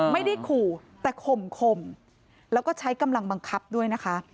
ไม่ได้ขู่แต่ข่มข่มแล้วก็ใช้กำลังบังคับด้วยนะคะ